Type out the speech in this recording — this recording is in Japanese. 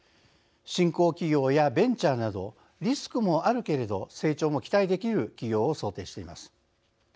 新興企業やベンチャーなどリスクもあるけれど成長も期待できる企業を想定しています。